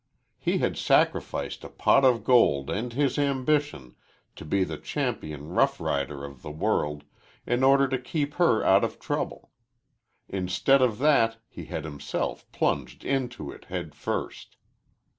He had sacrificed a pot of gold and his ambition to be the champion rough rider of the world in order to keep her out of trouble. Instead of that he had himself plunged into it head first.